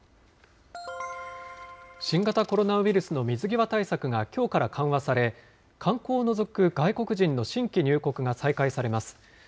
新型コロナウイルスの水際対策がきょうから緩和され、観光を除く外国人の新規入国が再開されます。